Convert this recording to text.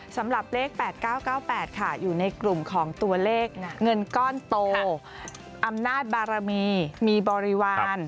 สำหรับเลข๘๙๙๘ค่ะอยู่ในกลุ่มของตัวเลขเงินก้อนโตอำนาจบารมีมีบริวาร